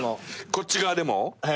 こっち側でも？